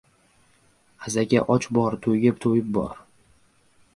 • Azaga och bor, to‘yga to‘yib bor.